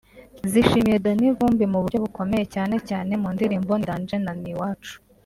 zishimiye Danny Vumbi mu buryo bukomeye cyane cyane mu ndirimbo ‘Ni Danger’ na ‘Ni uwacu’